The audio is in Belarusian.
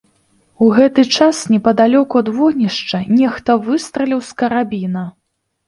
У гэты час непадалёку ад вогнішча нехта выстраліў з карабіна.